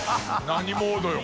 何モードよ